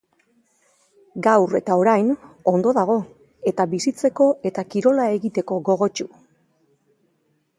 Gaur eta orain ondo dago eta bizitzeko eta kirola egiteko gogotsu.